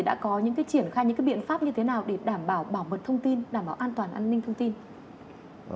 đã có những triển khai những biện pháp như thế nào